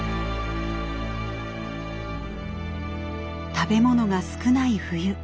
食べ物が少ない冬。